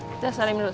kita salim dulu salam